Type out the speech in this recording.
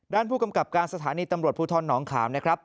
ด้านผู้กำกับการสถานีตำรวจภูทรหนองขามนะครับ